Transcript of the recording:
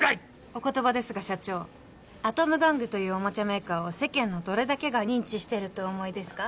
お言葉ですが社長アトム玩具というおもちゃメーカーを世間のどれだけが認知してるとお思いですか？